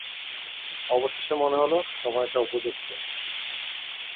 অবশেষে মনে হল, সময়টা উপযুক্ত।